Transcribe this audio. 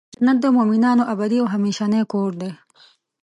جنت د مؤمنانو ابدې او همیشنی کور دی .